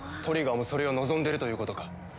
トリガーもそれを望んでるということか。